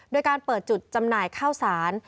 โดยการเปิดจุดจำหน่ายข้าวสาร